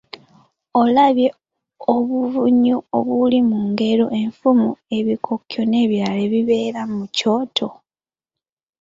Olabye obunyuvu obuli mu ngero, enfumo, ebikokyo nebirala ebibeera ku kyoto?